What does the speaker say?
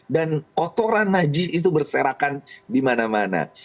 dan kotoran haji itu berserakan di mana mana